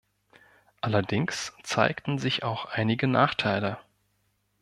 Allerdings zeigten sich auch einige Nachteile.